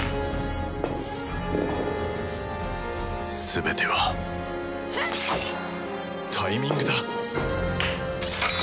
全てはタイミングだ！